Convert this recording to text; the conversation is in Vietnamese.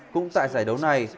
cũng tại giải đấu này